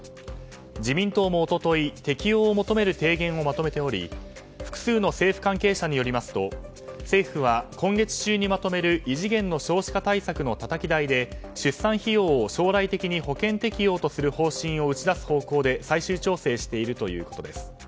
自民党も一昨日適用を求める提言をまとめており複数の政府関係者によりますと政府は今月中にまとめる異次元の少子化対策のたたき台で出産費用を将来的に保険適用とする方針を打ち出す方向で最終徴しているということです。